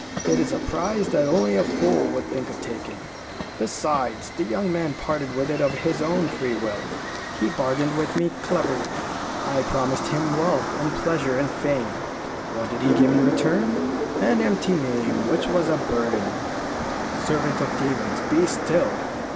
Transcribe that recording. It is a prize that only a fool would think of taking. Besides, the young man parted with it of his own free will. He bargained with me cleverly. I promised him wealth and pleasure and fame. What did he give in return? An empty name, which was a burden " "Servant of demons, be still!"